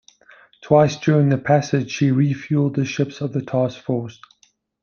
Twice during the passage she refueled the ships of the task force.